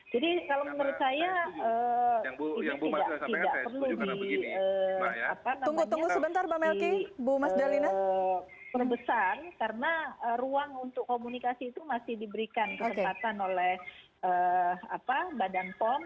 jadi kalau menurut saya ini tidak perlu diperbesar karena ruang untuk komunikasi itu masih diberikan kesempatan oleh badan pom